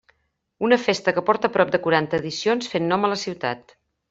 Una festa que porta prop de quaranta edicions fent nom a la ciutat.